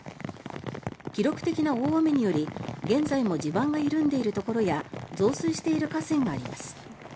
記録的な大雨により現在も地盤が緩んでいるところや増水している河川があります。